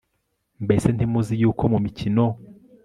Mbese ntimuzi yuko mu mikino